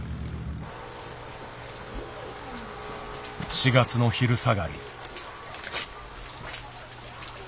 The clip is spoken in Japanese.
４月の昼下がり。